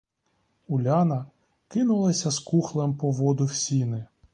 Уляна кинулася з кухлем по воду в сіни.